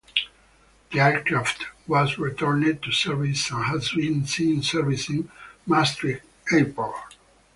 The aircraft was returned to service and has been seen servicing Maastricht Airport.